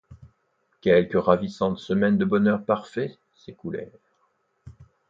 Quelques ravissantes semaines de bonheur parfait s'écoulèrent.